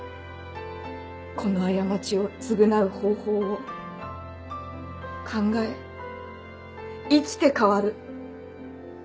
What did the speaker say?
この過ちを償う方法を考え生きて変わる。